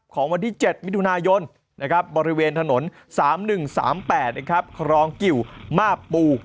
ของวันที่๗มิถุนายนบริเวณถนน๓๑๓๘ครองกิวมาบปู